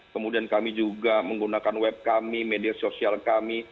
kemudian kami juga menggunakan web kami media sosial kami